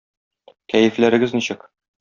Кәефләрегез ничек?